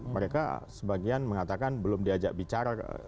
mereka sebagian mengatakan belum diajak bicara